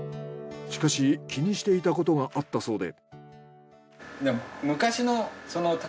しかし気にしていたことがあったそうで。